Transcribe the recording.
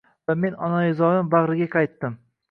Va men onaizorim bagʻriga qaytdim